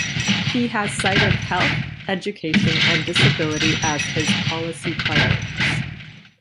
He has cited health, education and disability as his policy priorities.